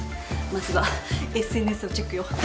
まずはＳＮＳをチェックよ。